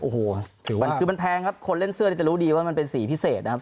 โอ้โหถือว่าคือมันแพงครับคนเล่นเสื้อเนี่ยจะรู้ดีว่ามันเป็นสีพิเศษนะครับ